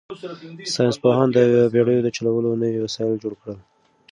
ساینس پوهانو د بېړیو د چلولو نوي وسایل جوړ کړل.